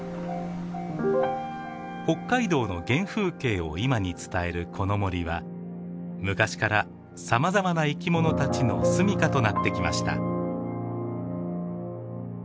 北海道の原風景を今に伝えるこの森は昔からさまざまな生き物たちの住みかとなってきました。